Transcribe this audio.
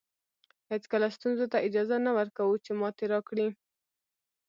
هېڅکله ستونزو ته اجازه نه ورکوو چې ماتې راکړي.